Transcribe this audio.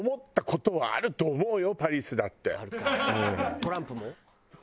トランプも？